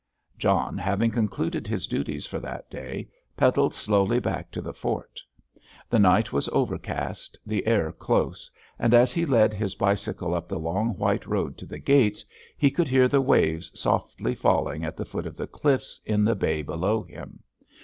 John, having concluded his duties for that day, pedalled slowly back to the fort. The night was overcast, the air close, and as he led his bicycle up the long white road to the gates, he could hear the waves softly falling at the foot of the cliffs in the bay below him.